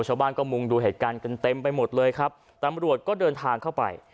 ชาวบ้านก็มุงดูเหตุการณ์กันเต็มไปหมดเลยครับตำรวจก็เดินทางเข้าไป